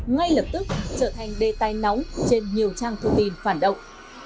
ngay lập tức trở thành đê tai nóng trên nhiều trang thông tin phản động